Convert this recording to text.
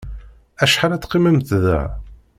Acḥal ad teqqimemt da?